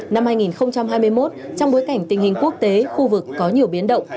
năm hai nghìn hai mươi một trong bối cảnh tình hình quốc tế khu vực có nhiều biến động